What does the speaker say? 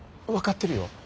分かってるよ。